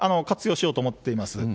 活用しようと思っています。